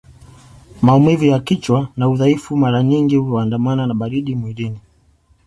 Maumivu ya kichwa na udhaifu mara nyingi huandamana na baridi mwilini